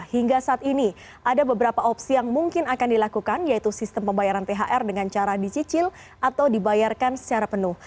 hingga saat ini ada beberapa opsi yang mungkin akan dilakukan yaitu sistem pembayaran thr dengan cara dicicil atau dibayarkan secara penuh